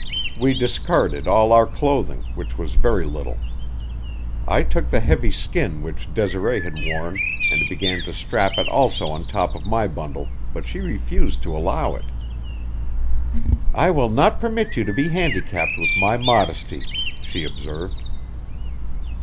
We discarded all our clothing, which was very little. I took the heavy skin which Desiree had worn and began to strap it also on top of my bundle, but she refused to allow it. "I will not permit you to be handicapped with my modesty," she observed.